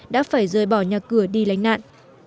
đã phải rời bỏ nhà cửa đi lánh nạn